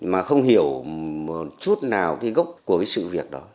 mà không hiểu một chút nào cái gốc của cái sự việc đó